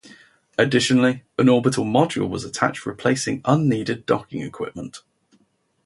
Additionally, an orbital module was attached replacing unneeded docking equipment.